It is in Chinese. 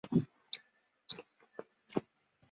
它的内容大致可以用以下的表格详列。